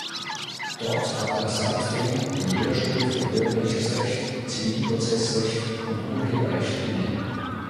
Dort hat er seitdem den Lehrstuhl für Bürgerliches Recht, Zivilprozessrecht und Urheberrecht inne.